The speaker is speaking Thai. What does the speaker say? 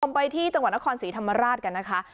ไปที่จังหวัดนครศรีธรรมราชกันนะคะ